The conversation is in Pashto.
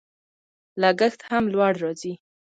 لګښت هم لوړ راځي.